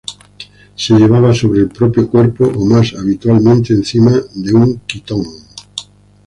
Se llevaba sobre el propio cuerpo o más habitualmente encima de un quitón.